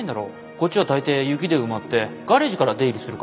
こっちはたいてい雪で埋まってガレージから出入りするから